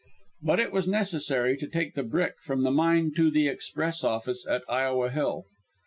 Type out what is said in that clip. But it was necessary to take the brick from the mine to the express office at Iowa Hill.